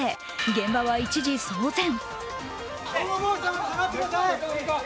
現場は一時騒然。